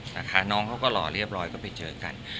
นะคะน้องเขาก็หล่อเรียบร้อยก็ไปเจอกัน